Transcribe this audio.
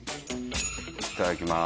いただきます。